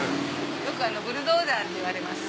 よくブルドーザーっていわれます。